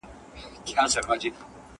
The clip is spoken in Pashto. طبیعت هم یو سیستم دی.